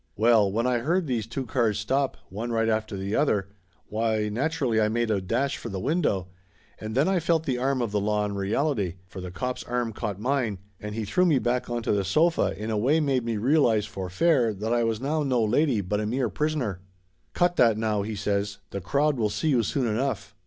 Well, when I heard these two cars stop, one right after the other, why naturally I made a dash for the window, and then I felt the arm of the law in reality, for the cop's arm caught mine and he threw me back onto the sofa in a way made me realize for fair that I was now no lady but a mere prisoner. "Cut that, now!" he says. "The crowd will see you soon enough!"